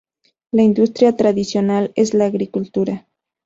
La industria tradicional es la agricultura.